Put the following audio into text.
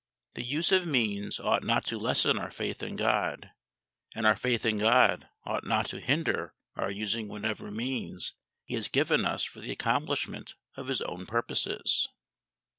The use of means ought not to lessen our faith in GOD; and our faith in GOD ought not to hinder our using whatever means He has given us for the accomplishment of His own purposes.